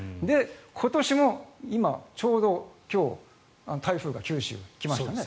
今年も今、ちょうど今日台風が九州に来ましたね。